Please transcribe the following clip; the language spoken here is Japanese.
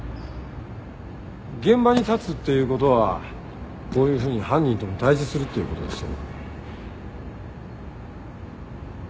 現場に立つっていうことはこういうふうに犯人とも対峙するっていうことですよ。